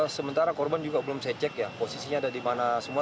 sementara korban juga belum saya cek ya posisinya ada di mana semua